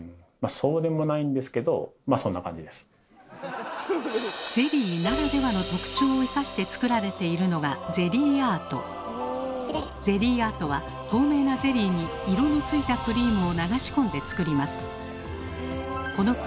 そうでもないんですけどゼリーならではの特徴を生かして作られているのがゼリーアートは透明なゼリーに色のついたクリームを流し込んで作ります。